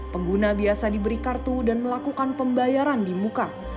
pengguna biasa diberi kartu dan melakukan pembayaran di muka